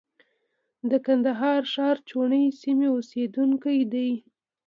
د کندهار ښار چاوڼۍ سیمې اوسېدونکی دی.